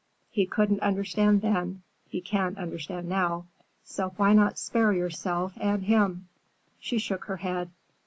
He couldn't understand then, he can't understand now. So why not spare yourself and him?" She shook her head.